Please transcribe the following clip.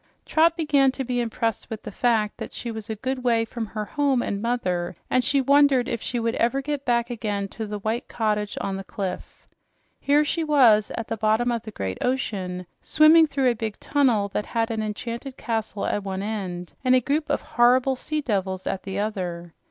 Trot began to be impressed with the fact that she was a good way from her home and mother, and she wondered if she would ever get back again to the white cottage on the cliff. Here she was, at the bottom of the great ocean, swimming through a big tunnel that had an enchanted castle at the end, and a group of horrible sea devils at the other!